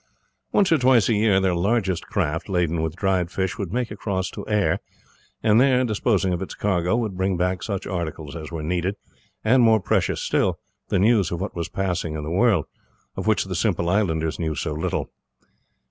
Once or twice in the year their largest craft, laden with dried fish, would make across to Ayr, and there disposing of its cargo would bring back such articles as were needed, and more precious still, the news of what was passing in the world, of which the simple islanders knew so little.